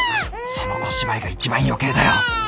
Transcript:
その小芝居が一番余計だよ！